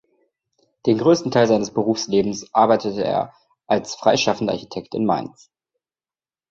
Den größten Teil seines Berufslebens arbeitete er als freischaffender Architekt in Mainz.